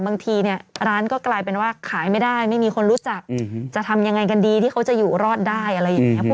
บางทีเนี่ยร้านก็กลายเป็นว่าขายไม่ได้ไม่มีคนรู้จักจะทำยังไงกันดีที่เขาจะอยู่รอดได้อะไรอย่างนี้